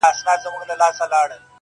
دا روڼه ډېــوه مي پـه وجـود كي ده,